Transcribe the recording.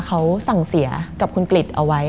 มันกลายเป็นรูปของคนที่กำลังขโมยคิ้วแล้วก็ร้องไห้อยู่